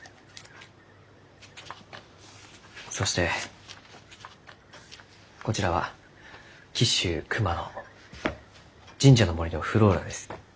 そしてこちらは紀州熊野神社の森のｆｌｏｒａです。